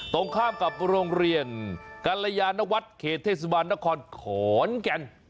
ตรงข้ามกับโรงเรียนกัลยานวัฒน์เขตเทศบาลนครขอนแก่น